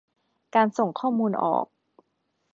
การส่งข้อมูลออก